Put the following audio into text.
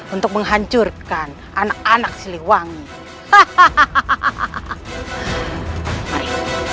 untuk menghancurkan anak anak siliwangi hahaha